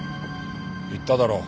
言っただろ。